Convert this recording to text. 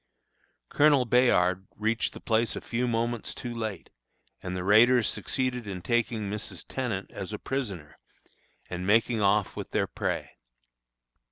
Colonel Bayard reached the place a few moments too late, and the raiders succeeded in taking Mrs. Tenant as a prisoner, and making off with their prey.